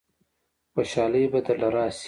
خوشالۍ به درله رايشي.